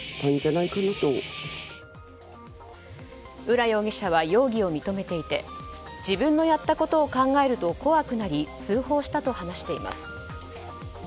浦容疑者は容疑を認めていて自分のやったことを考えると怖くなり通報したと話しています。